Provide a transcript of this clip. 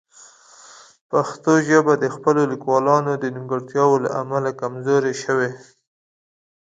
پښتو ژبه د خپلو لیکوالانو د نیمګړتیاوو له امله کمزورې شوې.